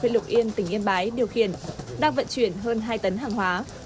độc yên tỉnh yên bái điều khiển đang vận chuyển hơn hai tấn hàng hóa